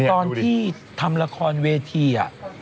ตอนที่ทำละครเวที